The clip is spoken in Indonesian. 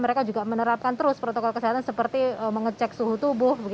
mereka juga menerapkan terus protokol kesehatan seperti mengecek suhu tubuh